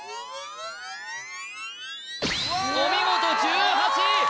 お見事１８位！